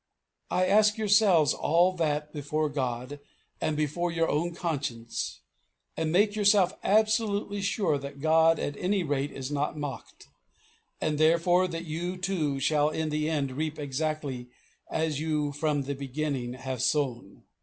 Ask yourselves all that before God and before your own conscience, and make yourselves absolutely sure that God at any rate is not mocked; and, therefore that you, too, shall in the end reap exactly as you from the beginning have sown.